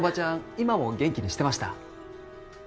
今も元気にしてました？